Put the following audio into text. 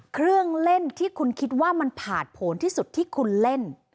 เครื่องเล่นที่คุณคิดว่ามันผ่านผลที่สุดที่คุณเล่น